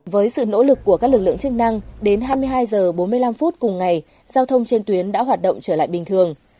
với sự nỗ lực của các lực lượng chức năng đến hai mươi hai h bốn mươi năm cùng ngày giao thông trên tuyến đã hoạt động trở lại bình thường